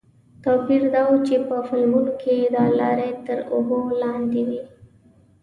توپیر دا و چې په فلمونو کې دا لارې تر اوبو لاندې وې.